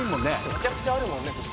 めちゃくちゃあるもんね。